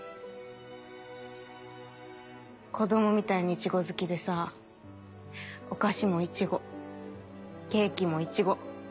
子供みたいにイチゴ好きでさお菓子もイチゴケーキもイチゴ。